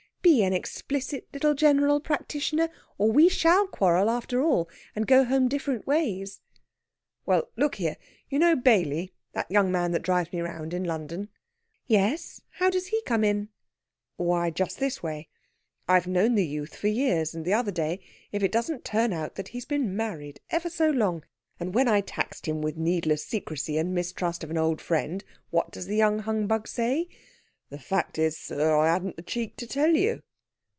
Be an explicit little general practitioner, or we shall quarrel, after all, and go home different ways." "Well, look here! You know Bailey, the young man that drives me round in London?" "Yes. How does he come in?" "Why, just this way; I've known the youth for years, and the other day if it doesn't turn out that he's been married ever so long! And when I taxed him with needless secrecy and mistrust of an old friend, what does the young humbug say? 'The fact is, sir, I hadn't the cheek to tell you.'